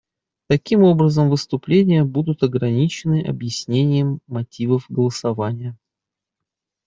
Таким образом, выступления будут ограничены объяснением мотивов голосования.